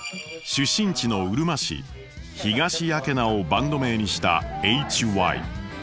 出身地のうるま市東屋慶名をバンド名にしたＨＹ。